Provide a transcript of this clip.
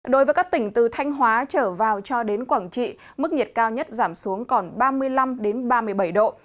đối với các tỉnh từ thanh hóa trở vào cho đến quảng trị mức nhiệt cao nhất giảm xuống còn ba mươi năm ba mươi bảy độ